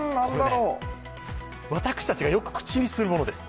私たちがよく口にするものです。